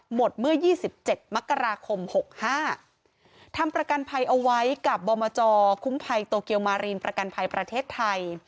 หมดเมื่อ๒๗มกราคม๖๕ทำประกันภัยเอาไว้กับบอมจคุ้มภัยโตเกียวมารีนประกันภัยประเทศไทย